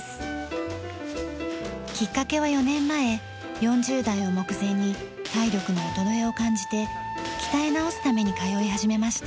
きっかけは４年前４０代を目前に体力の衰えを感じて鍛え直すために通い始めました。